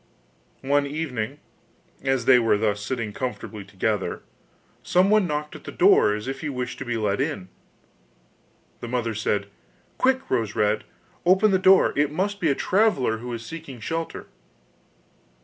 One evening, as they were thus sitting comfortably together, someone knocked at the door as if he wished to be let in. The mother said: 'Quick, Rose red, open the door, it must be a traveller who is seeking shelter.